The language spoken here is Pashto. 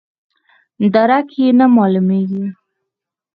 درک یې نه معلومیږي.